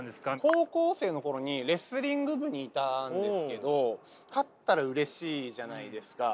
高校生の頃にレスリング部にいたんですけど勝ったらうれしいじゃないですか。